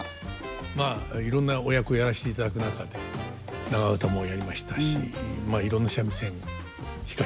まあいろんなお役をやらせていただく中で長唄もやりましたしまあいろんな三味線弾かせてもらいました。